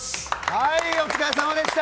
はい、お疲れさまでした！